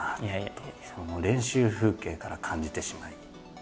練習風景から感じてしまい。